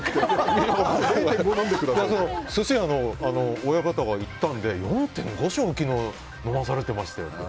寿司屋の親方が言ったんで４．５升昨日、飲まされてましたよって。